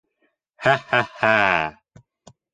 Хә-хә-хә!